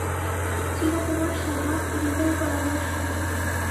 চিরকুমার-সভা হৃদয় গলাবার সভা।